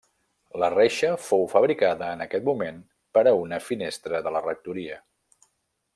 La reixa fou fabricada en aquest moment per a una finestra de la rectoria.